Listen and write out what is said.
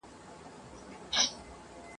په شپېلۍ د اسرافیل ګوندي خبر سو ..